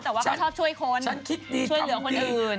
แต่ว่าเขาชอบช่วยคนช่วยเหลือคนอื่นฉันคิดดีกำลังหนึ่ง